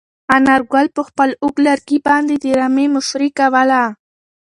انارګل په خپل اوږد لرګي باندې د رمې مشري کوله.